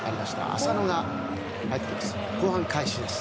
浅野が入ってきます。